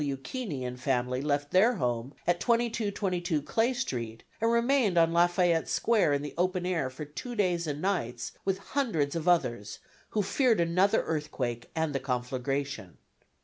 W. Keeney and family left their home at 2222 Clay Street, and remained on Lafayette Square in the open air for two days and nights, with hundreds of others, who feared another earthquake and the conflagration.